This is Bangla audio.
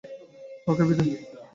ওকে, বিদায়।